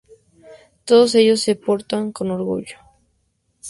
Todos ellos se portan con orgullo.